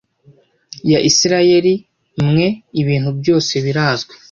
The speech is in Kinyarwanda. ya isirayeli mwe ibintu byose birazwi